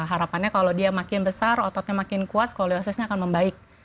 harapannya kalau dia makin besar ototnya makin kuat skoliosisnya akan membaik